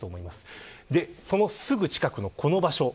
そのすぐ近くのこの場所。